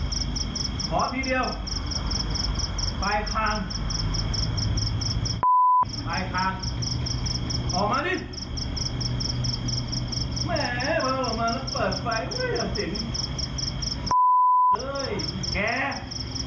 แล้วคุณในเฟส